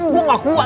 gue gak kuat